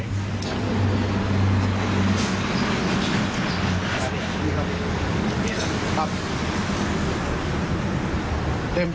พี่ครับพี่ครับ